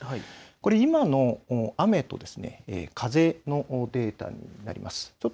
これは今の雨と風のデータになります。